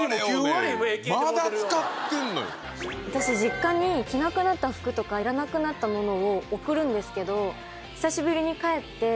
私実家に着なくなった服とかいらなくなったものを送るんですけど。